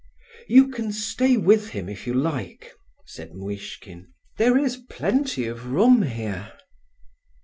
"You can stay with him if you like," said Muishkin. "There is plenty of room here."